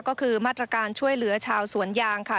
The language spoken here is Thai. ก็คือมาตรการช่วยเหลือชาวสวนยางค่ะ